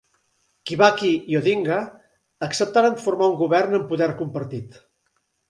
Kibaki i Odinga acceptaren formar un govern amb poder compartit.